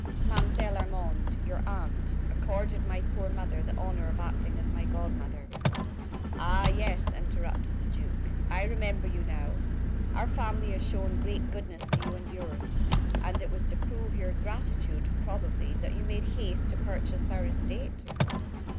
"Mademoiselle Armande, your aunt, accorded my poor mother the honor of acting as my godmother " "Ah, yes," interrupted the duke. "I remember you now. Our family has shown great goodness to you and yours. And it was to prove your gratitude, probably, that you made haste to purchase our estate!"